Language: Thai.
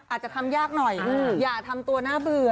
อาจจะทำยากหน่อยอย่าทำตัวน่าเบื่อ